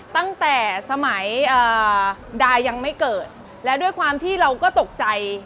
ตั้งแต่สมัยดายังไม่เกิดและด้วยความที่เราก็ตกใจ